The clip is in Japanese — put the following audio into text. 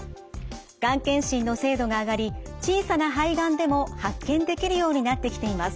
がん検診の精度が上がり小さな肺がんでも発見できるようになってきています。